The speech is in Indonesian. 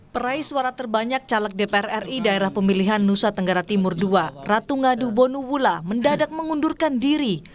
peraih suara terbanyak caleg dpr ri daerah pemilihan nusa tenggara timur ii ratu ngadu bonuwula mendadak mengundurkan diri